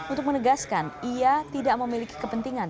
untuk menegaskan ia tidak memiliki kepentingan